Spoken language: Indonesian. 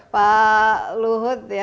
pak luhut ya